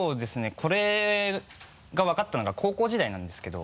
これが分かったのが高校時代なんですけど。